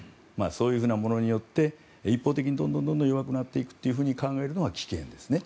そういうふうなものによって一方的にどんどん弱くなっていくと考えるのは危険ですね。